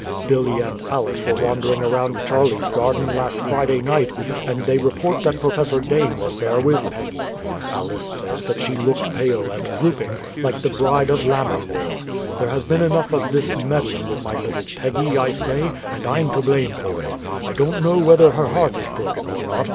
Billy and Alice were wandering around Charley's garden last Friday night, and they report that Professor Dane was there with Peggy. Alice says that she looked pale and drooping, 'like the Bride of Lammermoor.' There has been enough of this meddling with my little Peggy, I say, and I'm to blame for it. I don't know whether her heart is broken or not.